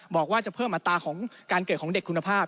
บอกว่าจะเพิ่มอัตราของการเกิดของเด็กคุณภาพ